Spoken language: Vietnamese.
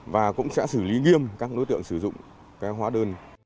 và cũng sẽ xử lý nghiêm các đối tượng sử dụng trang phép hóa đơn